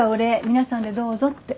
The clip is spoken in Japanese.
皆さんでどうぞって。